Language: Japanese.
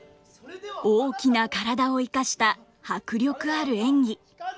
大きな体を生かした迫力ある演技。